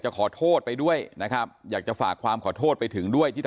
ขอโทษไปด้วยนะครับอยากจะฝากความขอโทษไปถึงด้วยที่ท่าน